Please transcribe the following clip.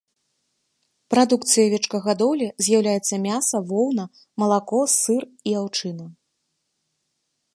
Прадукцыяй авечкагадоўлі з'яўляюцца мяса, воўна, малако, сыр, аўчына.